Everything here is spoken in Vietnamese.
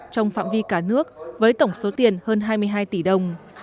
trong phạm vi cả nước với tổng số tiền hơn hai mươi hai tỷ đồng